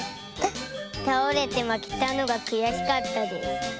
たおれてまけたのがくやしかったです。